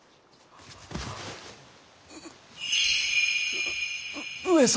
う上様！